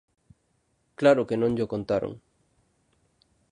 Claro que non llo contaron.